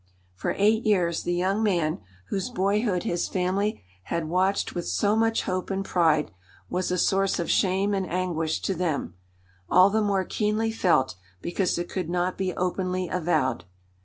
For eight years the young man, whose boyhood his family had watched with so much hope and pride, was a source of shame and anguish to them, all the more keenly felt because it could not be openly avowed.